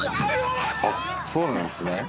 そうなんですね。